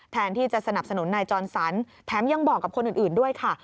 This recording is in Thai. แทนที่จะสนับสนุนนายจรสันแถมยังบอกกับคนอื่นด้วยค่ะ